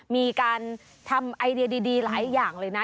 มีการทำไอเดียดีหลายอย่างเลยนะ